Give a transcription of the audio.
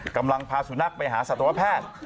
กำลังพาสุนัขไปหาสัตวแพทย์